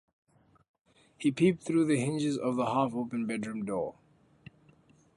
He peeped through the hinges of the half-open bedroom door.